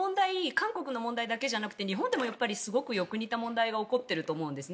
韓国の問題だけじゃなくて日本でもやっぱりすごくよく似た問題が起こっていると思うんです。